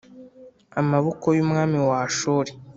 amaboko y umwami wa Ashuri